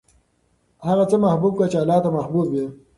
هغه څه محبوب کړه چې اللهﷻ ته محبوب وي.